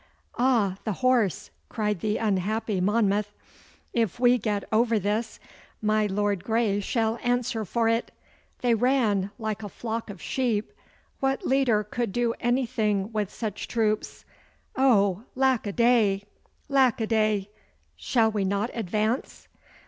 'Ah, the horse!' cried the unhappy Monmouth. 'If we get over this, my Lord Grey shall answer for it. They ran like a flock of sheep. What leader could do anything with such troops? Oh, lack a day, lack a day! Shall we not advance?